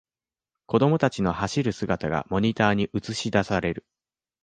子供たちの走る姿がモニターに映しだされる